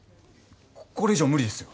これ以上は無理ですよ。